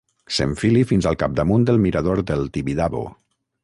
S'enfili fins al capdamunt del mirador del Tibidabo.